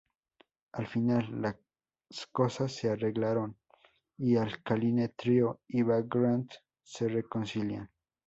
Al final, las cosas se arreglaron y Alkaline Trio y Vagrant se reconcilian.